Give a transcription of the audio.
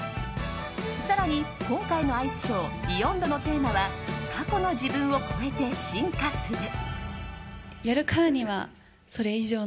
更に、今回のアイスショー「ＢＥＹＯＮＤ」のテーマは「過去の自分を超えて進化する」。